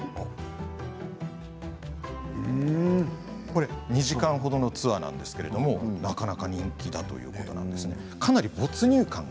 これは２時間ほどのツアーなんですけどなかなか人気だということです。